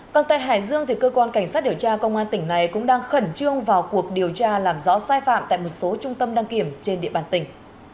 còn tại hải dương cơ quan cảnh sát điều tra công an tỉnh này cũng đang khẩn trương vào cuộc điều tra làm rõ sai phạm tại một số trung tâm đăng kiểm trên địa bàn tỉnh